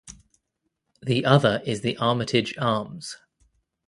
The other is the Armytage Arms.